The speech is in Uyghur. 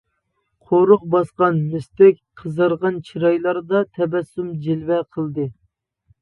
قورۇق باسقان، مىستەك قىزارغان چىرايلاردا تەبەسسۇم جىلۋە قىلدى.